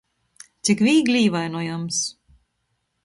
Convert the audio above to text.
Cik vīgli īvainojams.